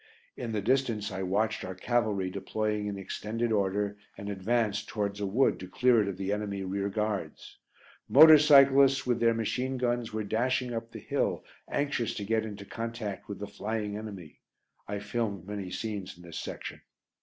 In the distance I watched our cavalry deploying in extended order and advance towards a wood to clear it of the enemy rearguards. Motor cyclists, with their machine guns, were dashing up the hill anxious to get into contact with the flying enemy. I filmed many scenes in this section.